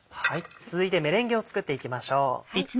続いてメレンゲを作っていきましょう。